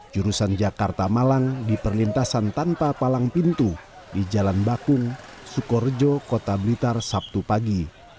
jurusan jakarta malang di perlintasan tanpa palang pintu di jalan bakung sukorejo kota blitar sabtu pagi